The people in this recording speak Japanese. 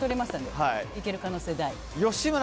いける可能性大。